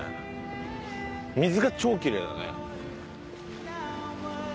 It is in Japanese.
水が超きれいだね。